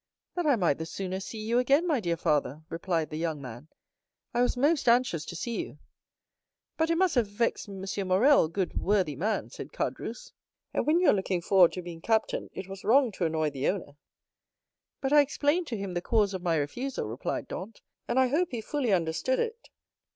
"That I might the sooner see you again, my dear father," replied the young man. "I was most anxious to see you." "But it must have vexed M. Morrel, good, worthy man," said Caderousse. "And when you are looking forward to be captain, it was wrong to annoy the owner." "But I explained to him the cause of my refusal," replied Dantès, "and I hope he fully understood it."